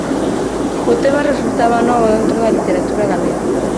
O tema resultaba novo dentro da literatura galega.